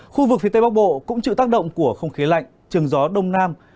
khu vực phía tây bắc bộ cũng chịu tác động của không khí lạnh trường gió đông nam